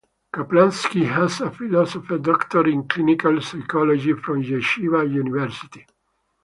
Kaplansky has a Ph.D. in clinical psychology from Yeshiva University.